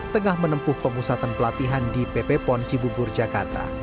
tengah menempuh pemusatan pelatihan di pp pon cibubur jakarta